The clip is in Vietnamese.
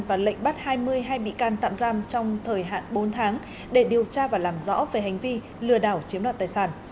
và lệnh bắt hai mươi hay bị can tạm giam trong thời hạn bốn tháng để điều tra và làm rõ về hành vi lừa đảo chiếm đoạt tài sản